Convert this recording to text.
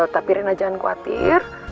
tapi rena jangan khawatir